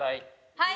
はい！